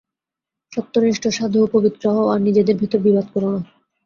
সত্যনিষ্ঠ, সাধু ও পবিত্র হও, আর নিজেদের ভেতর বিবাদ করো না।